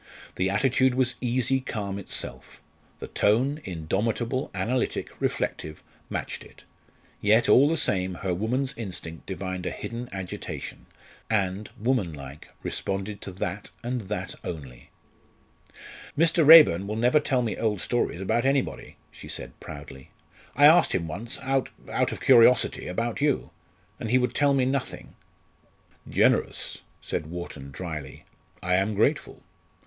The attitude was easy calm itself. The tone indomitable, analytic, reflective matched it. Yet, all the same, her woman's instinct divined a hidden agitation, and, woman like, responded to that and that only. "Mr. Raeburn will never tell me old stories about anybody," she said proudly. "I asked him once, out out of curiosity about you, and he would tell me nothing." "Generous!" said Wharton, drily. "I am grateful."